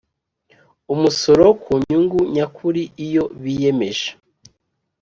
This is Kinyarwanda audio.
Umusoro ku nyungu nyakuri iyo biyemeje